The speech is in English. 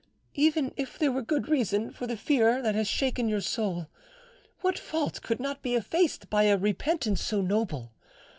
"Even if there were good reason for the fear that has shaken your soul, what fault could not be effaced by a repentance so noble?